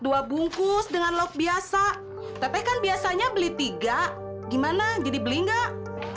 dua bungkus dengan log biasa tete kan biasanya beli tiga gimana jadi beli enggak